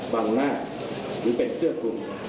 บังหน้าหรือเป็นเสื้อคลุม